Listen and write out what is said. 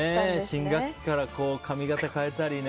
新学期から髪形変えたりね。